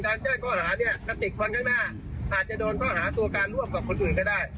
แจ้งข้อหาเนี่ยกระติกวันข้างหน้าอาจจะโดนข้อหาตัวการร่วมกับคนอื่นก็ได้